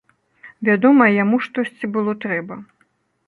Вядома, яму штосьці было трэба.